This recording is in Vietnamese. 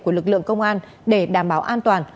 của lực lượng công an để đảm bảo an toàn